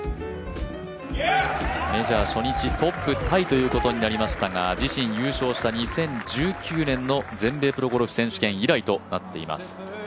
メジャー初日トップタイということになりましたが自身優勝した２０１９年の全米プロゴルフ選手権以来となっています。